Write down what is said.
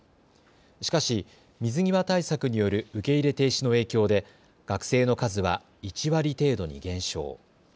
しかし水際対策による受け入れ停止の影響で学生の数は１割程度に減少。